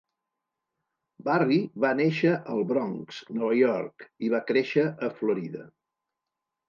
Barry va néixer al Bronx, Nova York, i va créixer a Florida.